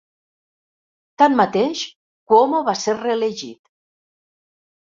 Tanmateix, Cuomo va ser reelegit.